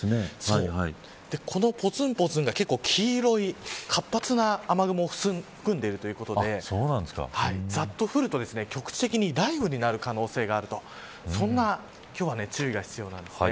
このぽつんぽつんが黄色い活発な雨雲を含んでいるということでざっと降ると局地的に雷雨になる可能性があるとそんな今日は注意が必要なんです。